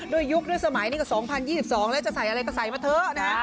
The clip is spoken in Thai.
ยุคด้วยสมัยนี้ก็๒๐๒๒แล้วจะใส่อะไรก็ใส่มาเถอะนะ